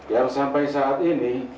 yang sampai saat ini